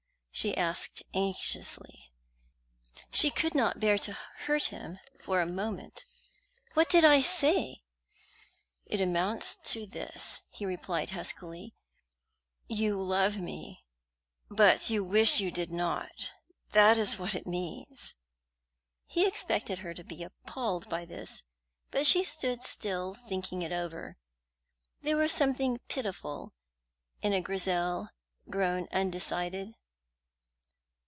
she asked anxiously. She could not bear to hurt him for a moment. "What did I say?" "It amounts to this," he replied huskily: "you love me, but you wish you did not; that is what it means." He expected her to be appalled by this; but she stood still, thinking it over. There was something pitiful in a Grizel grown undecided.